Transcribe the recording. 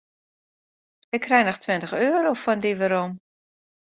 Ik krij noch tweintich euro fan dy werom.